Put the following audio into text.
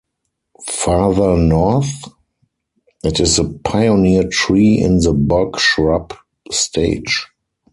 Farther north, it is the pioneer tree in the bog shrub stage.